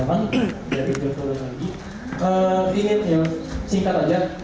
pak saya ingin menanyakan pak jalur